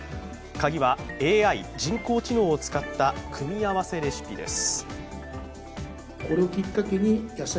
鍵はＡＩ＝人工知能を使った組み合わせレシピです。